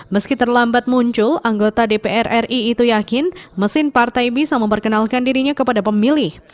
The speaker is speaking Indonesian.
meski terlambat muncul anggota dpr ri itu yakin mesin partai bisa memperkenalkan dirinya kepada pemilih